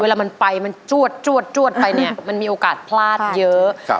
เวลามันไปมันจวดไปมันมีโอกาสพลาดเยอะ